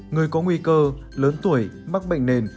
người có nguy cơ lớn tuổi mắc bệnh nền